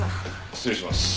失礼します。